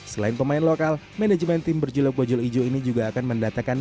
selain pemain lokal manajemen tim berjuluk bajul ijo ini juga akan mendatangkan